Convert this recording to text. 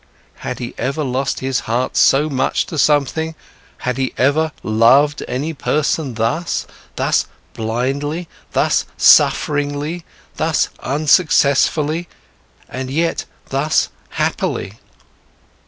Had he ever lost his heart so much to something, had he ever loved any person thus, thus blindly, thus sufferingly, thus unsuccessfully, and yet thus happily?